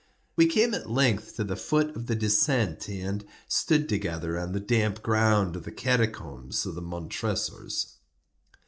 We came at length to the foot of the descent, and stood together on the damp ground of the catacombs of the Montresors.